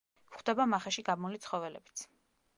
გვხვდება მახეში გაბმული ცხოველებიც.